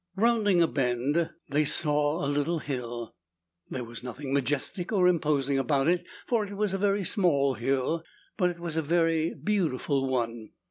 Rounding a bend, they saw a little hill. There was nothing majestic or imposing about it, for it was a very small hill. But it was a very beautiful one.